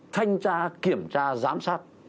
thanh tra kiểm tra giám sát